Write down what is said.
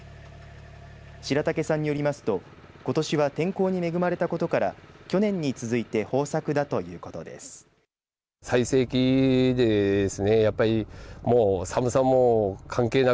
白武さんによりますとことしは天候に恵まれたことから去年に続いて豊作だということです。